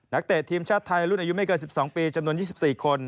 เตะทีมชาติไทยรุ่นอายุไม่เกิน๑๒ปีจำนวน๒๔คน